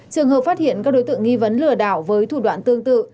trường hợp phát hiện các đối tượng nghi vấn lừa đảo với thủ đoạn tương tự